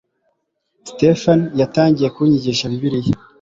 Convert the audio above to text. Stéphane yatangiye kunyigisha Bibiliya.